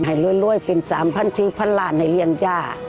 ให้รวยเป็น๓๐๐๐๔๐๐๐ล้านให้เรียนย่า